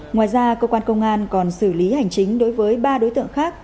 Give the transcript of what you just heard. ngoài ra cơ quan công an còn xử lý hành chính đối với ba đối tượng khác